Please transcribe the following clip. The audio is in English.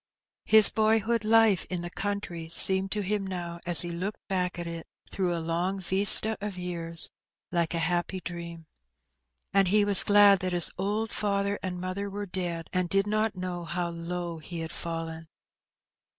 His boyhood life in the country seemed to him now, as he looked back at it through a long vista of years, like a happy dream. And he was glad that his old father and mother were dead, and did not know how low he had fallen.